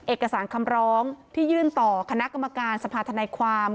เอกสารคำร้องที่ยื่นต่อคณะกรรมการสภาธนายความ